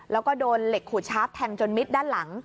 แล้วก็โดนเหล็กขูดชาร์ฟแทงจนมิดด้านหลัง